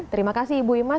terima kasih ibu imas